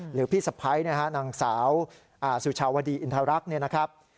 หรือพี่สะพ้ายนางสาวสุชาวดีอินทรักนะครับ